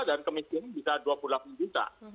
dan kemiskinan bisa dua puluh delapan minggu juta